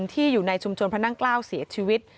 ที่อยู่ในชุมชนพระนั่งเกล้าเสียชีวิต